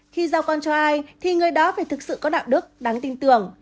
khi giao con cho ai thì người đó phải thực sự có đạo đức đáng tin tưởng